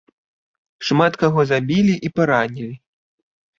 Шмат каго забілі і паранілі.